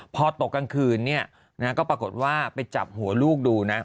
พอตกกลางคืนก็ปรากฏว่าไปจับหัวลูกดูนะ